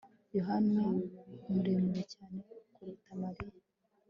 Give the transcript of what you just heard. Yohana muremure cyane kuruta Mariya